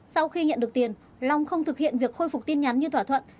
sau khi nhận được tiền long không thực hiện việc khôi phục tin nhắn như thỏa thuận